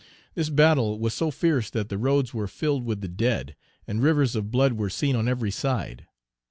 This battle was so fierce that the roads were filled with the dead, and rivers of blood were seen on every side.